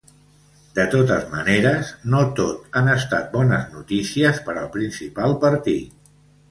De totes maneres, no tot han estat bones notícies per al principal partit.